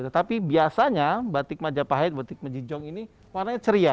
tetapi biasanya batik majapahit batik menjejong ini warnanya ceria